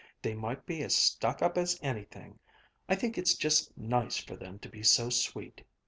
They might be as stuck up as anything! I think it's just nice for them to be so sweet!"